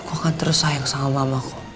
aku akan tersayang sama mamaku